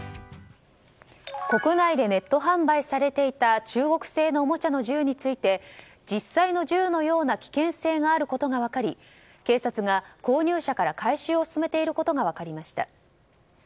国内でネット販売されていた中国製のおもちゃについて実際の銃のような危険性があることが分かり警察が購入者から回収を進めていることが分かりました。